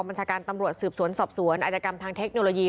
ัญชาการตำรวจสืบสวนสอบสวนอาจกรรมทางเทคโนโลยี